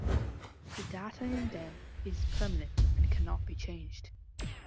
The data in them is permanent and cannot be changed.